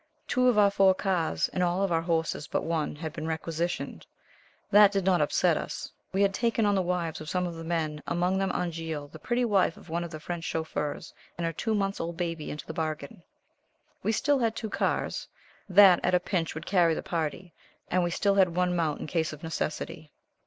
Two of our four cars, and all our horses but one had been requisitioned. That did not upset us. We had taken on the wives of some of the men, among them Angéle, the pretty wife of one of the French chauffeurs, and her two months old baby into the bargain. We still had two cars, that, at a pinch, would carry the party, and we still had one mount in case of necessity.